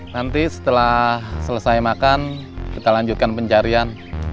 nanti setelah selesai makan kita lanjutkan pencarian